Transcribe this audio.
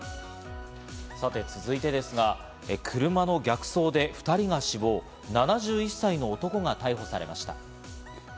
さて続いてですが、車の逆走で２人が死亡、７１歳の男が逮捕されました。